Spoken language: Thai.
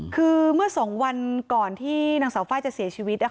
คือเมื่อ๒วันก่อนที่นางสาวไฟล์จะเสียชีวิต